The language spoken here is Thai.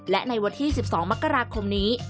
และในวันที่๑๒มกราคมนี้